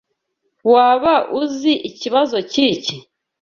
Waba uzi ikibazo cyiki?